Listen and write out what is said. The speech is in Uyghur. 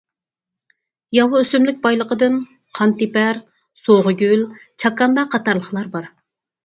ياۋا ئۆسۈملۈك بايلىقىدىن قانتېپەر، سوغىگۈل، چاكاندا قاتارلىقلار بار.